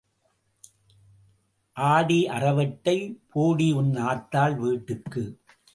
ஆடி அறவெட்டை, போடி உன் ஆத்தாள் வீட்டுக்கு.